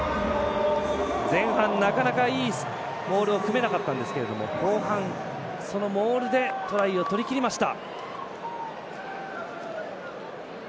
前半、なかなか、いいモールを組めなかったんですけど後半、そのモールでトライを取りきりました。